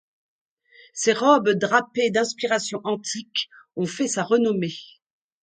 Ses robes drapées d'inspiration antique ont fait sa renommée.